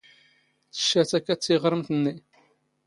ⵜⵛⵛⴰ ⵜⴰⴽⴰⵜ ⵜⵉⵖⵔⵎⵜ ⵏⵏⵉ.